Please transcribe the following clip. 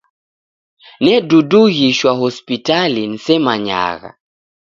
Nedudughishwa hospitali nisemanyagha.